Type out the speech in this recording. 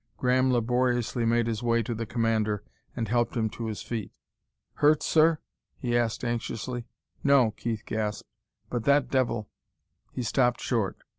Graham laboriously made his way to the commander and helped him to his feet. "Hurt, sir?" he asked anxiously. "No," Keith gasped. "But that devil " He stopped short.